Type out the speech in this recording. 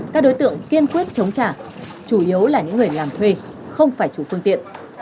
các đối tượng kiên quyết chống trả chủ yếu là những người làm thuê không phải chủ phương tiện